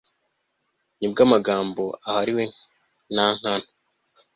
ni bwo amagambo ahariwe nankana